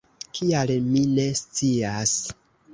Kial mi ne scias.